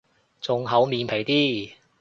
仲厚面皮啲